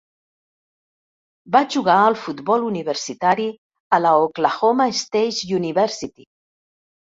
Va jugar a futbol universitari a la Oklahoma State University.